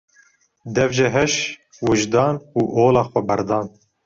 Dev ji heş, wijdan û ola xwe berdan.